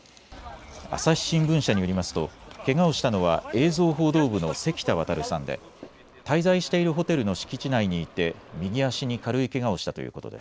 朝日新聞社によりますとけがをしたのは映像報道部の関田航さんで滞在しているホテルの敷地内にいて右足に軽いけがをしたということです。